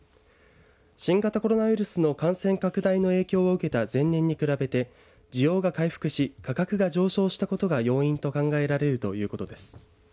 新型コロナウイルスの感染拡大の影響を受けた前年に比べて、需要が回復し価格が上昇したことが要因と考えられるということです。